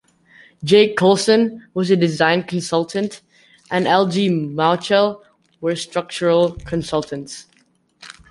J. Coulson was a design consultant and L. G. Mouchel were structural consultants.